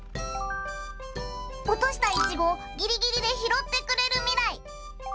おとしたいちごをギリギリでひろってくれるみらい。